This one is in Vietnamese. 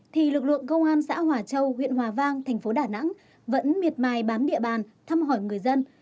thì lực lượng công an xã hòa châu huyện hòa vang thành phố đà nẵng vẫn miệt mài bám địa bàn thăm hỏi người dân